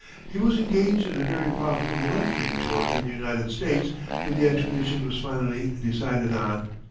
He was engaged in a very profitable lecturing tour in the United States when the expedition was finally decided on.